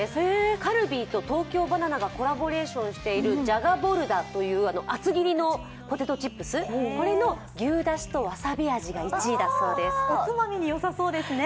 Ｃａｌｂｅｅと東京ばな菜がコラボレーションしているじゃがボルダという厚切りのポテトチップスの牛出しとわさび味が１位だそうですおつまみによさそうですね。